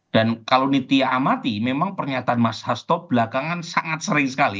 dan kalau nitya amati memang pernyataan mas hasto belakangan sangat sering sekali